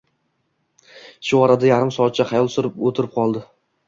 Shu orada yarim soatcha xayol surib o`tirib qoldi